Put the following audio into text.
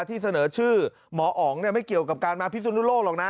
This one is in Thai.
ที่เสนอชื่อหมออ๋องไม่เกี่ยวกับการมาพิสุนุโลกหรอกนะ